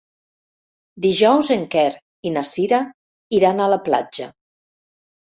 Dijous en Quer i na Cira iran a la platja.